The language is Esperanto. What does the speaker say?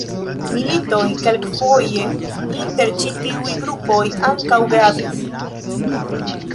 Militoj, kelkfoje inter ĉi tiuj grupoj, ankaŭ gravis.